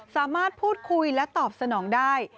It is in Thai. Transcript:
สามารถพูดคุยและตอบสนองได้